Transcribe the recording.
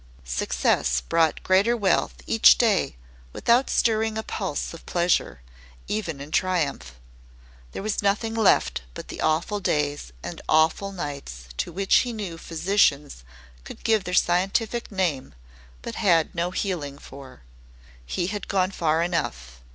Success brought greater wealth each day without stirring a pulse of pleasure, even in triumph. There was nothing left but the awful days and awful nights to which he knew physicians could give their scientific name, but had no healing for. He had gone far enough.